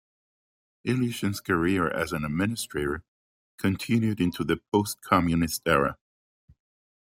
Ilyushin's career as an administrator continued into the post-communist era.